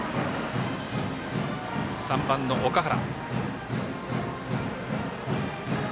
３番の岳原。